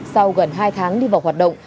sau gần hai tháng đi vào hoạt động